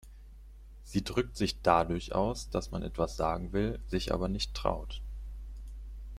Sie drückt sich dadurch aus, dass man etwas sagen will, sich aber nicht traut.